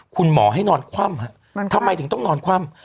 คุณหมอให้นอนคว่ำทำไมถึงต้องนอนคว่ำ